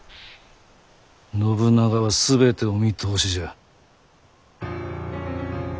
信長は全てお見通しじゃ。